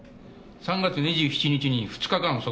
３月２７日に２日間